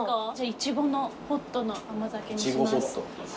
いちごのホットの甘酒にします。